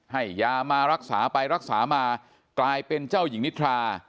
ให้ยามารักษาไปรักษามากลายเป็นเจ้าหญิงนิทรา